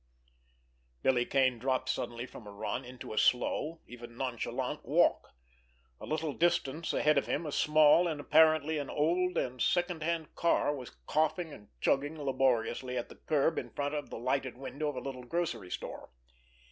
Billy Kane dropped suddenly from a run into a slow, even nonchalant walk. A short distance ahead of him, a small, and apparently, an old and second hand car was coughing and chugging laboriously at the curb in front of the lighted window of a little grocery store.